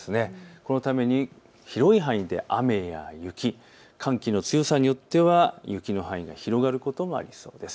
このために広い範囲で雨や雪、寒気の強さによっては雪の範囲が広がることもありそうです。